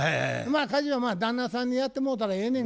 家事は旦那さんにやってもろたらええねん